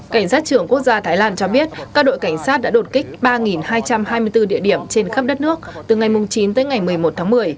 cảnh sát trưởng quốc gia thái lan cho biết các đội cảnh sát đã đột kích ba hai trăm hai mươi bốn địa điểm trên khắp đất nước từ ngày chín tới ngày một mươi một tháng một mươi